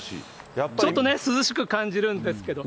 ちょっとね、涼しく感じるんですけど。